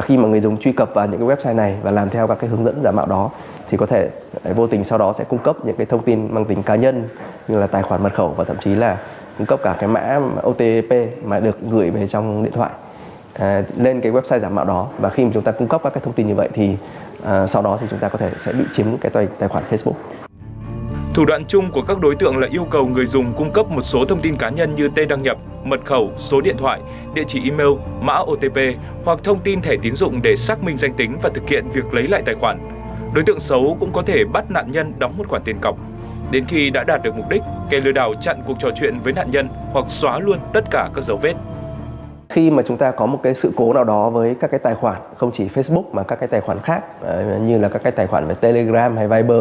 khi mà chúng ta có một sự cố nào đó với các tài khoản không chỉ facebook mà các tài khoản khác như là các tài khoản telegram hay viber